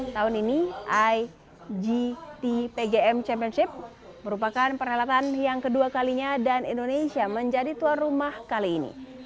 tahun ini igt pgm championship merupakan perhelatan yang kedua kalinya dan indonesia menjadi tuan rumah kali ini